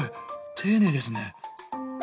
丁寧ですね。